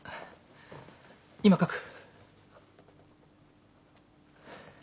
今書く。